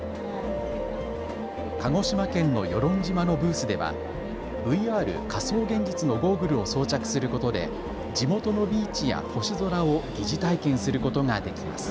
鹿児島県の与論島のブースではＶＲ・仮想現実のゴーグルを装着することで地元のビーチや星空を擬似体験することができます。